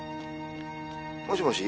もしもし？